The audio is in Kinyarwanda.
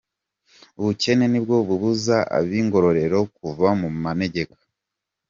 Ubukene nibwo bubuza ab’i Ngororero kuva mu manegeka.